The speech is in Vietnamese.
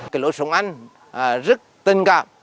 kỳ lỗi sống anh rất tình cảm